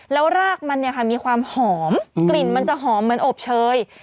แล้วรากมีความหอมกลิ่นมันจะหอมเหมือนอบเชย